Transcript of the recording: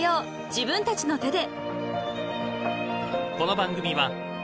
自分たちの手で］